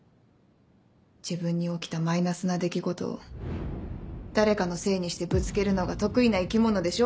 自分に起きたマイナスな出来事を誰かのせいにしてぶつけるのが得意な生き物でしょ？